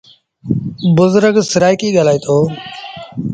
بزرگ سرآئيڪيٚ ڳآلآئيٚتو۔